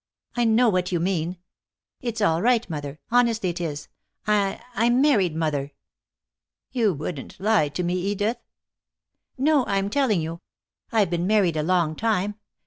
"I know what you mean. It's all right, mother. Honestly it is. I I'm married, mother." "You wouldn't lie to me, Edith?" "No. I'm telling you. I've been married a long time.